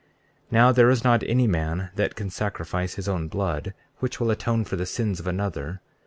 34:11 Now there is not any man that can sacrifice his own blood which will atone for the sins of another.